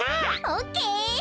オッケー。